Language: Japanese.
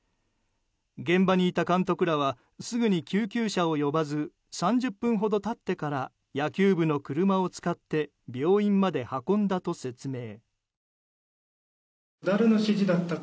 現場にいた監督らはすぐに救急車を呼ばず３０分ほど経ってから野球部の車を使って病院まで運んだと説明。